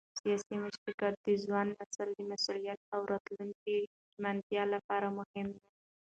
سیاسي مشارکت د ځوان نسل د مسؤلیت او راتلونکي ژمنتیا لپاره مهم دی